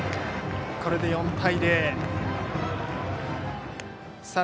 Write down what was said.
これで４対０。